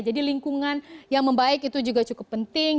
jadi lingkungan yang membaik itu juga cukup penting